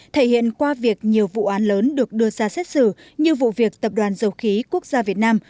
thể hiện qua việc nhiều vụ án lớn được đưa ra xét xử như vụ việc tập đoàn dầu khí quốc gia việt nam